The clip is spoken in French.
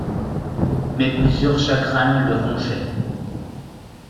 Mais plusieurs chagrins le rongeaient.